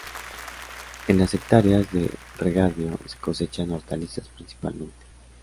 En las hectáreas de regadío se cosechan hortalizas principalmente.